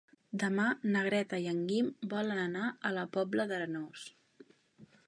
Demà na Greta i en Guim volen anar a la Pobla d'Arenós.